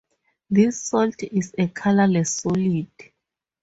This salt is a colourless solid.